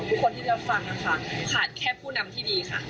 ขาดแค่ผู้นำที่ดีค่ะ